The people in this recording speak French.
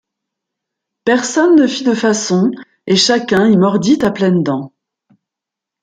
Personne ne fit de façons, et chacun y mordit à pleines dents.